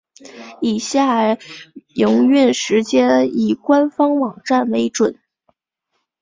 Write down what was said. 以下营运时间以官方网站为准。